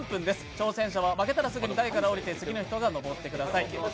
挑戦者は負けたらすぐ台から降りて次の人が上ってください。